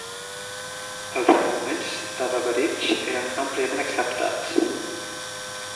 Els arguments de Beveridge eren àmpliament acceptats.